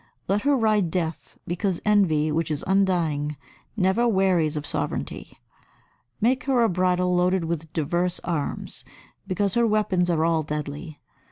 Let her ride Death, because Envy, which is undying, never wearies of sovereignty. Make her a bridle loaded with divers arms, because her weapons are all deadly.